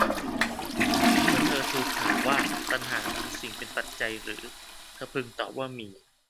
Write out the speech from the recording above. เมื่อเธอถูกถามว่า ตัณหามีสิ่งเป็นปัจจัยหรือ เธอพึงตอบว่ามี